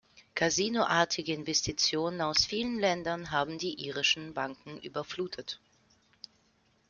Kasinoartige Investitionen aus vielen Ländern haben die irischen Banken überflutet.